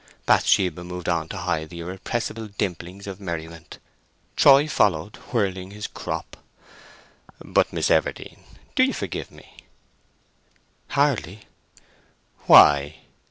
Bathsheba moved on to hide the irrepressible dimplings of merriment. Troy followed, whirling his crop. "But—Miss Everdene—you do forgive me?" "Hardly." "Why?"